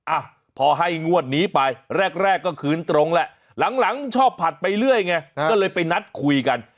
อ่ะพอให้งวดนี้ไปแรกแรกก็คืนตรงแหละหลังชอบผัดไปเรื่อยไงก็เลยไปนัดคุยกัน